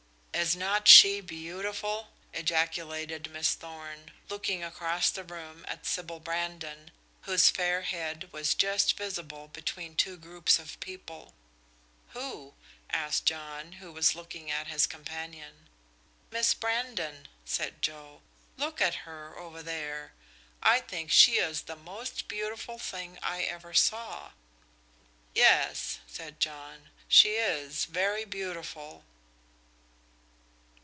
"Is not she beautiful?" ejaculated Miss Thorn, looking across the room at Sybil Brandon, whose fair head was just visible between two groups of people. "Who?" asked John, who was looking at his companion. "Miss Brandon," said Joe. "Look at her, over there. I think she is the most beautiful thing I ever saw." "Yes," said John, "she is very beautiful."